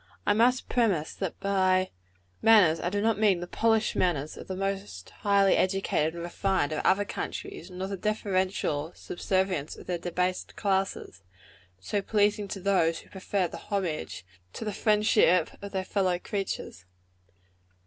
I must premise that by manners I do not mean the polished manners of the most highly educated and refined of other countries, nor the deferential subservience of their debased classes so pleasing to those who prefer the homage to the friendship of their fellow creatures.